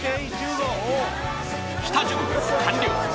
下準備は完了